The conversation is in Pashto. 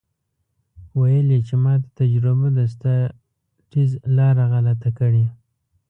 ویل یې چې ماته تجربه ده ستا ټیز لاره غلطه کړې.